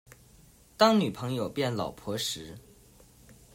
當女朋友變老婆時